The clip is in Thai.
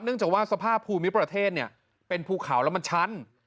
เนื่องจากว่าสภาพภูมิประเทศเป็นภูเขาแล้วมันชั้น